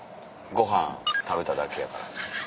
ごはん食べただけやから。